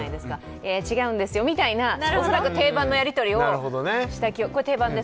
いやいや、違うんですよみたいな、恐らく定番のやり取りをしたような。